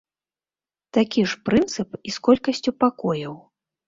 Такі ж прынцып і з колькасцю пакояў.